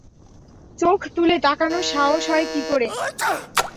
চোখ তুলে তাকানোর সাহস কী করে হয়?